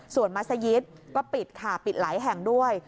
ส่วนมัศยิตก็ปิดค่ะปิดหลายแห่งด้วย